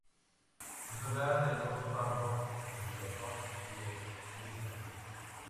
Es hogar del oso pardo, del glotón y el lince.